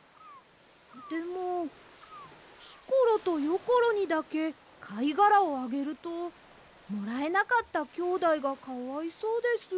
でもひころとよころにだけかいがらをあげるともらえなかったきょうだいがかわいそうです。